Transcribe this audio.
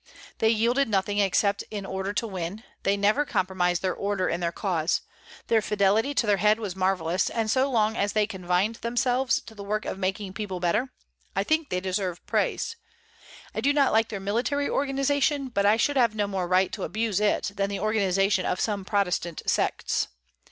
They yielded nothing except in order to win; they never compromised their Order in their cause. Their fidelity to their head was marvellous; and so long as they confined themselves to the work of making people better, I think they deserved praise. I do not like their military organization, but I should have no more right to abuse it than the organization of some Protestant sects.